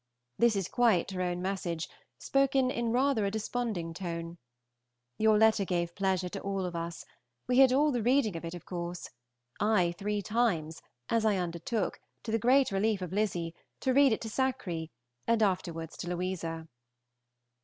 This is quite her own message, spoken in rather a desponding tone. Your letter gave pleasure to all of us; we had all the reading of it of course, I three times, as I undertook, to the great relief of Lizzy, to read it to Sackree, and afterwards to Louisa.